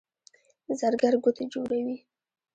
زرګر ګوتې جوړوي.